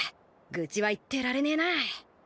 愚痴は言ってられねえな。